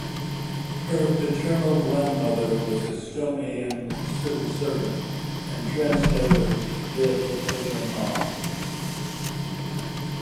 Her paternal grandmother was Estonian civil servant and translator Lii Ojamaa.